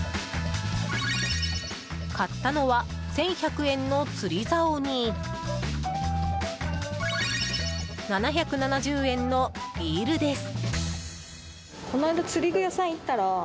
買ったのは１１００円の釣り竿に７７０円のリールです。